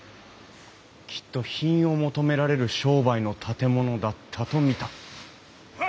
きっと品を求められる商売の建物だったと見た。